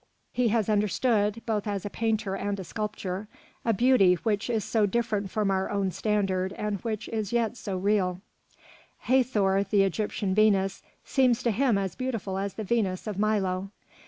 He has understood, both as a painter and a sculptor, a beauty which is so different from our own standard and which is yet so real. Hathor, the Egyptian Venus, seems to him as beautiful as the Venus of Milo.